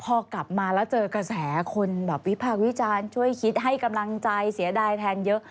พอกลับมาแล้วเจอกระแสคนแบบวิพากษ์วิจารณ์ช่วยคิดให้กำลังใจเสียดายแทนเยอะ